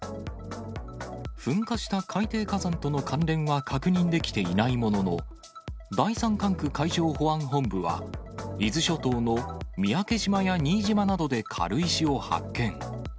噴火した海底火山との関連は確認できていないものの、第３管区海上保安本部は、伊豆諸島の三宅島や新島などで軽石を発見。